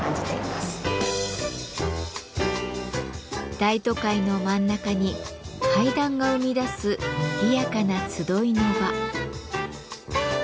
大都会の真ん中に階段が生み出すにぎやかな集いの場。